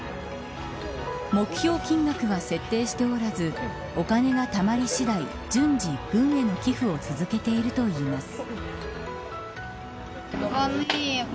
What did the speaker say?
目標金額は設定しておらずお金が貯まり次第順次、軍への寄付を続けているといいます。